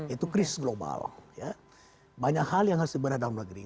itu krisis global banyak hal yang harus dibenah dalam negeri